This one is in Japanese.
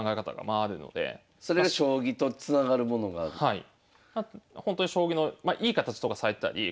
はい。